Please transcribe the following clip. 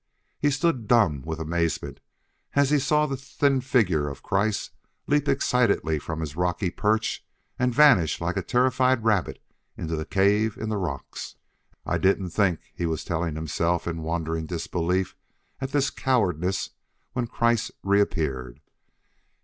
He stood, dumb with amazement, as he saw the thin figure of Kreiss leap excitedly from his rocky perch and vanish like a terrified rabbit into the cave in the rocks. "I didn't think " he was telling himself in wondering disbelief at this cowardice, when Kreiss reappeared.